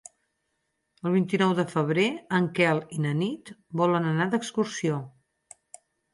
El vint-i-nou de febrer en Quel i na Nit volen anar d'excursió.